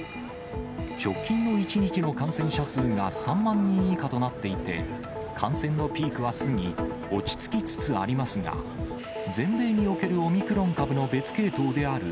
直近の１日の感染者数が３万人以下となっていて、感染のピークは過ぎ、落ち着きつつありますが、全米におけるオミクロン株の別系統である、